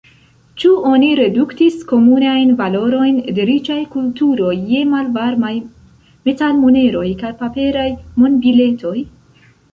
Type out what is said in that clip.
Ĉu oni reduktis komunajn valorojn de riĉaj kulturoj je malvarmaj metalmoneroj kaj paperaj monbiletoj?